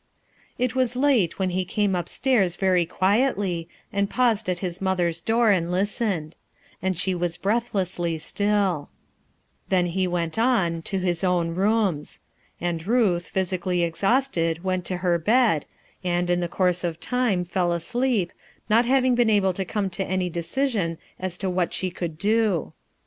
It was late when he came upstairs very quietly and paused at his mother's door and listened ; and she was breathlessly stilL Then he went on, to his own rooms; axid Ruth, physically ex hausted, went to her bed, and, in the course of time, fell asleep, not having been able to come to any decision as to what she could do.